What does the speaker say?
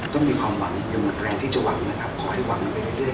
ต้องมีความหวังอย่าหมดแรงที่จะหวัง